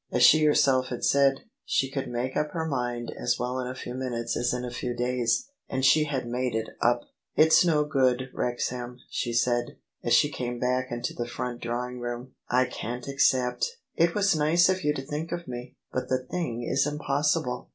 As she herself had said, she could make up her mind as well in a few minutes as in a few days: and she had made it up. " It's no good, Wrexham," she said, as she came back into the front drawing room :" I can't accept : it was nice of you to think of me, but the thing is impossible!